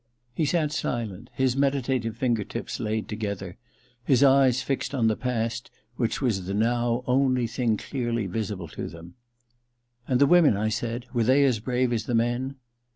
He sat silent, his meditative finger tips laid together, his eyes fixed on the past which was now the only thing clearly visible to them. * And the women }' I said. * Were they as brave as the men